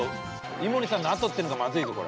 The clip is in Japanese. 井森さんのあとっていうのがまずいぞこれ。